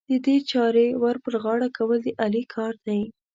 د دې چارې ور پر غاړه کول، د علي کار دی.